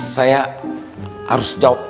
saya harus jauh